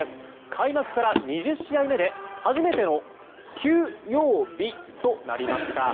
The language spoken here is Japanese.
開幕から２０試合目で初めての休養日となりました。